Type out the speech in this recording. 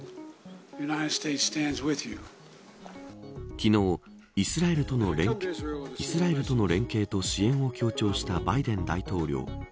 昨日、イスラエルとの連携と支援を強調したバイデン大統領。